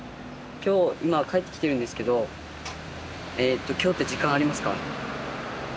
今日今帰ってきてるんですけど今日って時間ありますか？